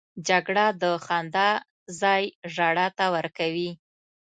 جګړه د خندا ځای ژړا ته ورکوي